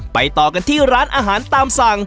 ต่อกันที่ร้านอาหารตามสั่ง